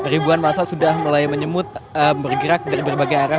ribuan masa sudah mulai menyemut bergerak dari berbagai arah